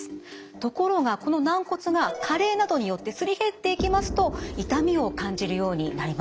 ところがこの軟骨が加齢などによってすり減っていきますと痛みを感じるようになります。